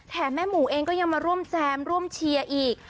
แม่หมูเองก็ยังมาร่วมแจมร่วมเชียร์อีก